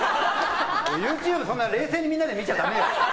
ＹｏｕＴｕｂｅ、そんなに冷静にみんなで見ちゃだめよ。